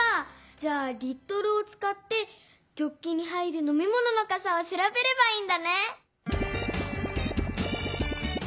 じゃあ「リットル」をつかってジョッキに入るのみものの「かさ」をしらべればいいんだね！